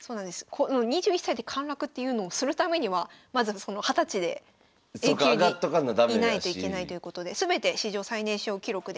この２１歳で陥落っていうのをするためにはまず２０歳でＡ級にいないといけないということで全て史上最年少記録で。